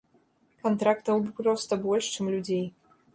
Кантрактаў проста больш, чым людзей.